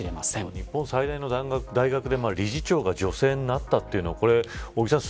日本最大の大学で理事長が女性になったというのはこれ尾木さん